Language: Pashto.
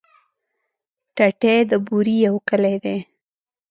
ټټۍ د بوري يو کلی دی.